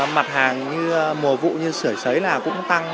mặt hàng như mùa vụ như sưởi sấy là cũng tăng